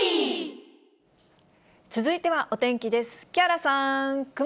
続いてはお天気です。